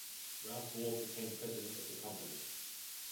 Ralph Ward became president of the company.